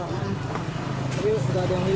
tapi sudah ada yang di